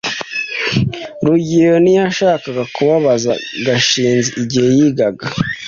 rugeyo ntiyashakaga kubabaza gashinzi igihe yigaga